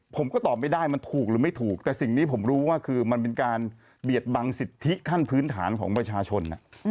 ผมก็ตอบไม่ได้มันถูกหรือไม่ถูกแต่สิ่งนี้ผมรู้ว่าคือมันเป็นการเบียดบังสิทธิขั้นพื้นฐานของประชาชน